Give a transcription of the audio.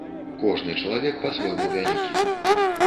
Кожны чалавек па-свойму вялікі.